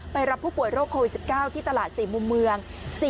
รับผู้ป่วยโรคโควิด๑๙ที่ตลาด๔มุมเมือง